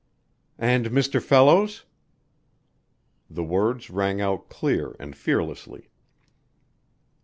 "And Mr. Fellows?" The words rang out clear and fearlessly.